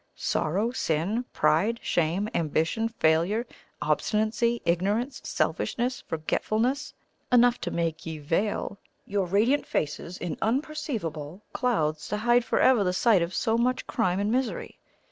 Sorrow, sin, pride, shame, ambition, failure, obstinacy, ignorance, selfishness, forgetfulness enough to make ye veil your radiant faces in unpierceable clouds to hide forever the sight of so much crime and misery.